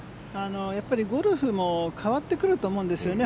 やっぱりゴルフも変わってくると思うんですよね。